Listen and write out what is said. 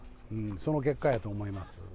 その結果やと思います。